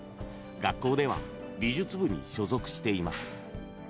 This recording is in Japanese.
学校では美術部に所属しています。